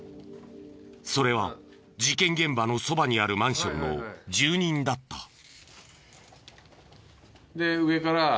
それは事件現場のそばにあるマンションの住人だった。